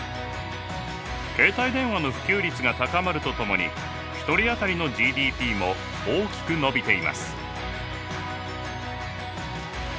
携帯電話の普及率が高まるとともに１人当たりのＧＤＰも大きく伸びています。